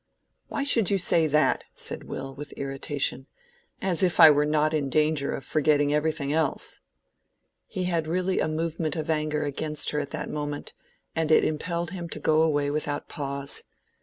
"Why should you say that?" said Will, with irritation. "As if I were not in danger of forgetting everything else." He had really a movement of anger against her at that moment, and it impelled him to go away without pause.